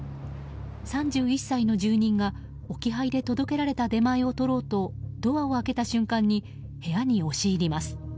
３１歳の住人が、置き配で届けられた出前を取ろうとドアを開けた瞬間に部屋に押し入ります。